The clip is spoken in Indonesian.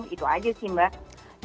itu aja sih mbak